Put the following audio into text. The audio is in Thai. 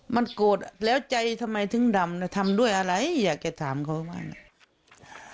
มันโกรธแล้วใจทำไมถึงดำทำด้วยอะไรอยากจะถามเขาว่าไง